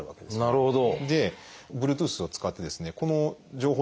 なるほど。